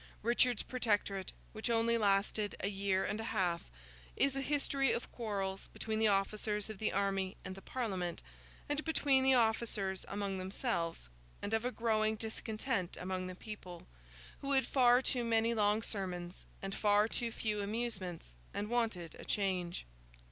Richard's Protectorate, which only lasted a year and a half, is a history of quarrels between the officers of the army and the Parliament, and between the officers among themselves; and of a growing discontent among the people, who had far too many long sermons and far too few amusements, and wanted a change.